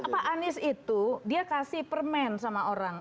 pak anies itu dia kasih permen sama orang